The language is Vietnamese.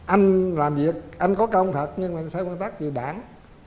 anh làm việc anh có công thật nhưng mà sai quan tác thì đáng